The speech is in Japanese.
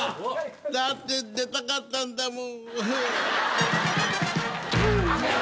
だって出たかったんだもん。